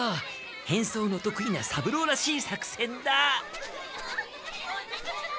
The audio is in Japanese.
変装のとくいな三郎らしい作戦だ。